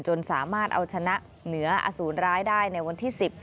จนสามารถเอาชนะเหนืออสูรร้ายได้ในวันที่๑๐